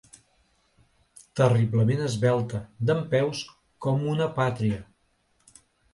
Terriblement esvelta, dempeus, com una pàtria.